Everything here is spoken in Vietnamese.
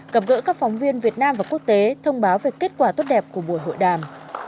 các quốc tế thông báo về kết quả tốt đẹp của buổi hội đàm